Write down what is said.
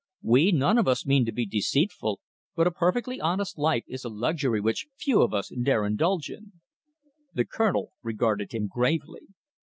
We none of us mean to be deceitful, but a perfectly honest life is a luxury which few of us dare indulge in." The Colonel regarded him gravely.